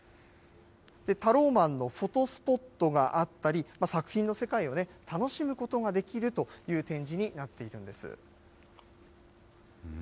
タローマンのフォトスポットがあったり、作品の世界を楽しむことができるという展示になっているんです。